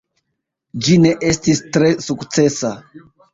Ĝi ne estis tre sukcesa.